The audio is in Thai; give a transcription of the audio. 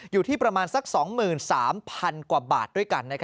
อยู่ที่ประมาณสัก๒๓๐๐๐กว่าบาทด้วยกัน